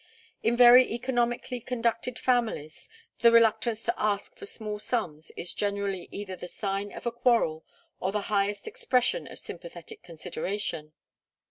In very economically conducted families the reluctance to ask for small sums is generally either the sign of a quarrel or the highest expression of sympathetic consideration.